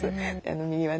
右はね